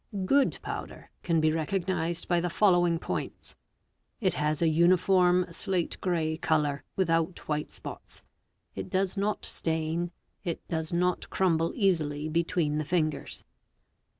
{ Good powder can be recognised by the following points:—it has 2 uniform slate grey colour, without white spots; it does not stain; it de 6 OBJECTS HIT | 437 ' not crumble easily between the fingers.